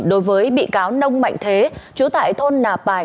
đối với bị cáo nông mạnh thế chú tại thôn nà pài